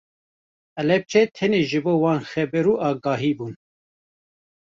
Helepçe tenê ji bo wan xeber û agahî bûn.